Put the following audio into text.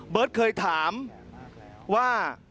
เบิร์ตเคยถามว่า